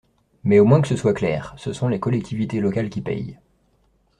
Mais au moins que ce soit clair : ce sont les collectivités locales qui payent.